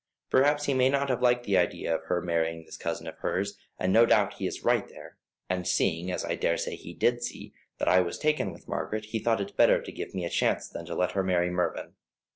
Perhaps he may not have liked the idea of her marrying this cousin of hers; and no doubt he is right there, and seeing, as I daresay he did see, that I was taken with Margaret, he thought it better to give me a chance than to let her marry Mervyn.